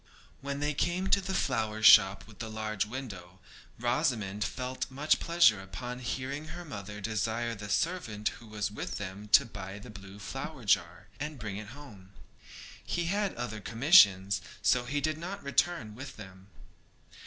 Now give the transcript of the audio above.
When they came to the shop with the large window Rosamond felt much pleasure upon hearing her mother desire the servant who was with them to buy the blue jar, and bring it home. He had other commissions, so he did not return with them.